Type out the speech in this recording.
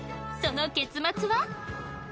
その結末は？